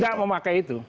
tidak memakai itu